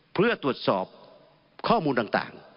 เพื่อตรวจสอบข้อมูลต่าง